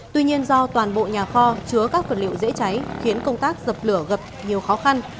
tuy nhiên do toàn bộ nhà kho chứa các vật liệu dễ cháy khiến công tác dập lửa gặp nhiều khó khăn